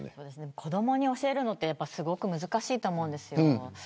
子どもに教えるのって難しいと思うんです。